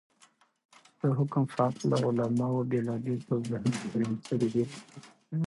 چې دحكم په هكله علماؤ بيلابيل توجيهات بيان كړي دي.